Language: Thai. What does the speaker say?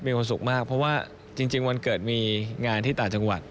มีความสุขมากเพราะว่าจริงวันเกิดมีงานที่ต่างจังหวัด